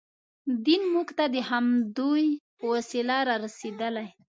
دین موږ ته د همدوی په وسیله رارسېدلی.